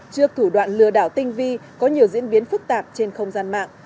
trước thủ đoạn lừa đảo tinh vi có nhiều diễn biến phức tạp trên không gian mạng